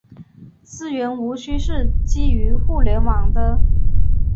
资源无需是基于互联网的。